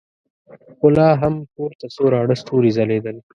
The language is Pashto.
خو لا هم پورته څو راڼه ستورې ځلېدل.